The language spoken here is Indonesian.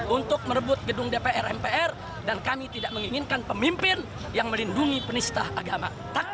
untuk merebut gedung dpr mpr dan kami tidak menginginkan pemimpin yang melindungi penista agama